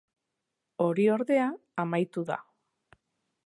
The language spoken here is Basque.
Hori ordea, amaitu da.